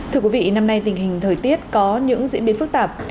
thưa quý vị năm nay tình hình thời tiết có những diễn biến phức tạp